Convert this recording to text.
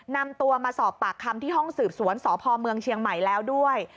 นำตัวมาสอบปากคำที่ห้องสืบสวนสพเมืองเชียงใหม่แล้วด้วย